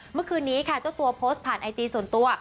เมื่อคืนนี้ค่ะเจ้าตัวโพสต์ผ่านไอจีส่วนตัว